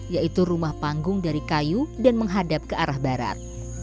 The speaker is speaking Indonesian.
yaitu rumah panggung dari kayu dan menghadap ke arah barat